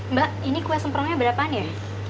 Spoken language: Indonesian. mbak ini kue semprongnya berapaan ya